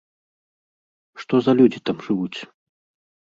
Што за людзі там жывуць?